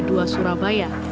di jalan dua surabaya